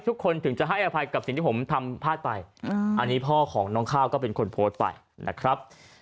ทุกคนถึงจะให้อภัยกับสิ่งที่ผมทำพลาดไปอันนี้พ่อของน้องข้าวก็เป็นคนโพสต์ไปนะครับ